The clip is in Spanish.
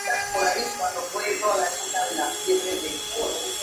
Su mundo literario es diverso y difícil de categorizar.